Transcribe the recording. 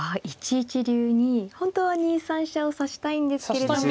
１一竜に本当は２三飛車を指したいんですけれども。